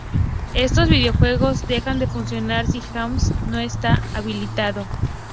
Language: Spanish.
Estos videojuegos dejan de funcionar si JavaScript no está habilitado.